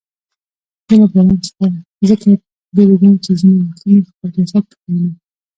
زه له باران څخه ځکه بیریږم چې ځیني وختونه خپل جسد پکې وینم.